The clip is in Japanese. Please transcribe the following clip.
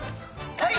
はい！